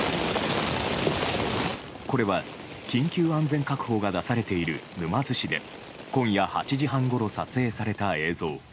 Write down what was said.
これは緊急安全確保が出されている沼津市で今夜８時半ごろ撮影された映像。